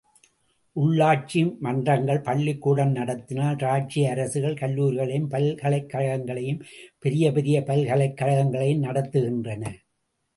உள்ளாட்சி மன்றங்கள் பள்ளிக்கூடம் நடத்தினால், இராச்சிய அரசுகள் கல்லூரிகளையும் பல்கலைக் கழகங்களையும் பெரிய பெரிய பல்கலைக் கழகங்களையும் நடத்துகின்றன.